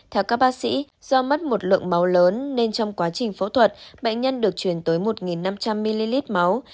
theo các bác sĩ do mất một lượng máu lớn nên trong quá trình phẫu thuật bệnh nhân được chuyển tới một năm trăm linh ml máu